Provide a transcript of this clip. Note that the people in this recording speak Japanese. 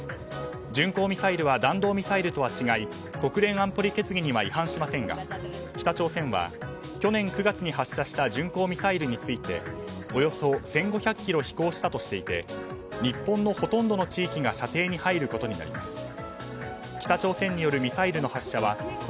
巡航ミサイルは弾道ミサイルとは違い国連安保理決議には違反しませんが、北朝鮮は去年９月に発射した巡航ミサイルについておよそ１５００ｋｍ飛行したとしていて日本のほとんどの地域が射程に入ることになります。